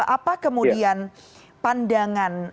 apa kemudian pandangan